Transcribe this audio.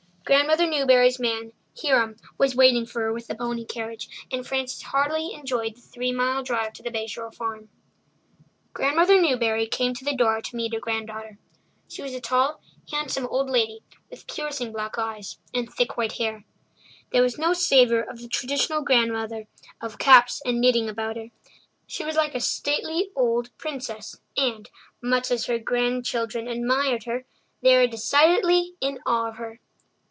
Grandmother Newbury's man, Hiram, was waiting for her with the pony carriage, and Frances heartily enjoyed the three mile drive to the Bay Shore Farm. Grandmother Newbury came to the door to meet her granddaughter. She was a tall, handsome old lady with piercing black eyes and thick white hair. There was no savour of the traditional grandmother of caps and knitting about her. She was like a stately old princess and, much as her grandchildren admired her, they were decidedly in awe of her.